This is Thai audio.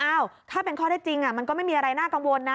ถ้าเป็นข้อได้จริงมันก็ไม่มีอะไรน่ากังวลนะ